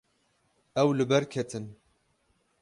Ew li ber ketin.